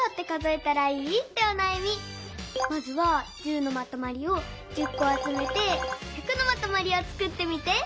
まずは１０のまとまりを１０こあつめて「１００」のまとまりをつくってみて。